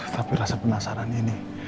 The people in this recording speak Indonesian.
tapi rasa penasaran ini